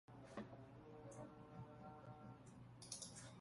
މެޑްރިޑުން ރޮނާލްޑޯ އާއި ނޭމާ ބަދަލުކުރަނީ؟